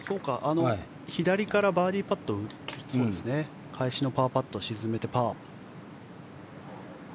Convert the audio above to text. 左からバーディーパットで返しのパーパットを沈めてパー。